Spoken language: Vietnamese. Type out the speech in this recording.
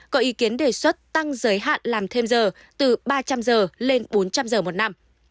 có ý kiến đề xuất tăng giới hạn làm thêm giờ từ ba trăm linh giờ lên bốn trăm linh giờ một năm